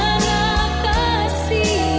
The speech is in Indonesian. kasih yang kekal selamanya